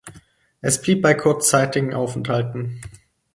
Es blieb bei kurzzeitigen Aufenthalten.